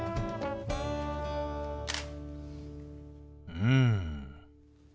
うん。